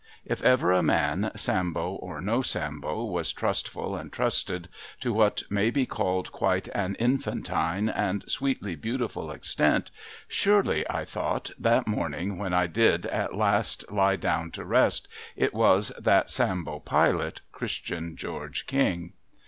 If ever a man, Sambo or no Sambo, was trustful and trusted, to what may be called quite an infantine and sweetly beautiful extent, surely, I thought that morning when I did at last lie down to rest, it was that Sambo Pilot, Christian George King.